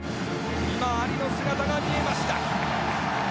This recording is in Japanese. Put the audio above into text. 今アリの姿が見えました。